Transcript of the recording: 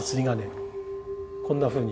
こんなふうに。